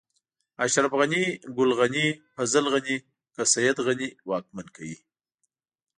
اشرف غني، ګل غني، فضل غني، که سيد غني واکمن کوي.